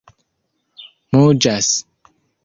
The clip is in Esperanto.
muĝas